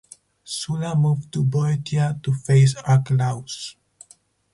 Sulla moved to Boeotia to face Archelaus.